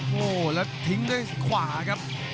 โอ้โหและทิ้งได้ขวาครับ